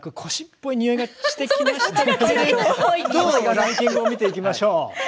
ランキングを見ていきましょう。